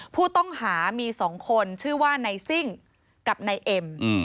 ผู้ต้องหามี๒คนชื่อว่านายซิ่งกับนายเอ็ม